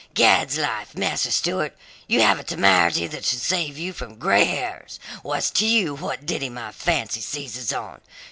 "Gad's life, Master Stewart, you have a temerity that should save you from grey hairs! What is't to you what ditty my fancy seizes on?